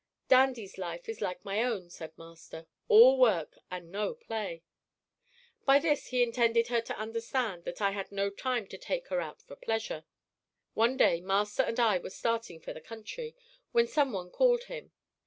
"Dandy's life is like my own," said Master, "all work and no play." By this he intended her to understand that I had no time to take her out for pleasure. One day Master and I were starting for the country, when some one called him.